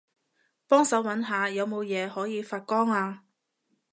幫手搵下有冇嘢可以發光吖